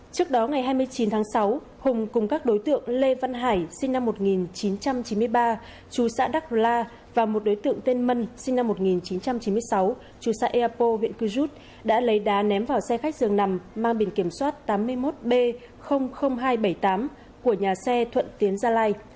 trước đó ngày hai mươi chín tháng sáu hùng cùng các đối tượng lê văn hải sinh năm một nghìn chín trăm chín mươi ba chú xã đắc rla và một đối tượng tên mân sinh năm một nghìn chín trăm chín mươi sáu chú xã eapo huyện cư rút đã lấy đá ném vào xe khách dường nằm mang biển kiểm soát tám mươi một b hai trăm bảy mươi tám của nhà xe thuận tiến gia lai